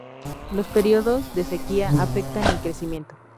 Los periodos de sequía afectan el crecimiento.